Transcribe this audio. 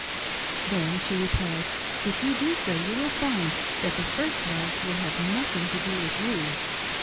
" Then;" she replied, " if you do so you will find that the first wives will have nothing to do with you.